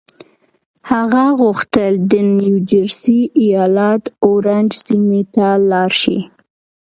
هغه غوښتل د نيو جرسي ايالت اورنج سيمې ته لاړ شي.